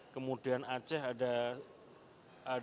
kemudian aceh ada